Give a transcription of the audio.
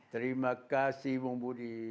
terima kasih bung budi